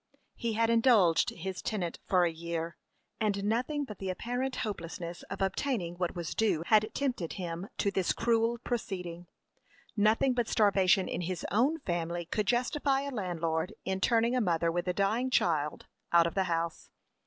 He had indulged his tenant for a year, and nothing but the apparent hopelessness of obtaining what was due had tempted him to this cruel proceeding. Nothing but starvation in his own family could justify a landlord in turning a mother with a dying child out of the house.